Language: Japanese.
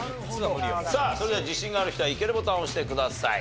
さあそれでは自信がある人はイケるボタンを押してください。